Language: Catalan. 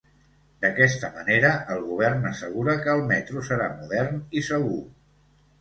D'aquesta manera, el Govern assegura que el metro serà modern i segur.